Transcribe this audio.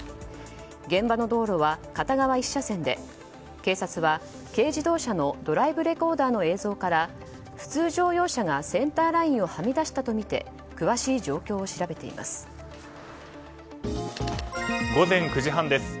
現場の道路は片側１車線で警察は軽自動車のドライブレコーダーの映像から普通乗用車がセンターラインをはみ出したとみて午前９時半です。